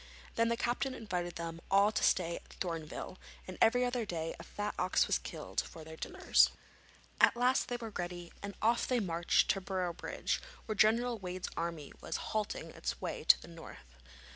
Then the captain invited them all to stay at Thorneville, and every other day a fat ox was killed for their dinners. At last they were ready, and off they marched to Boroughbridge, where General Wade's army was halting on its way to the north.